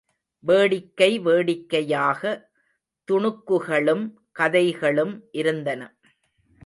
வேடிக்கை வேடிக்கையாக துணுக்குகளும் கதைகளும் இருந்தன.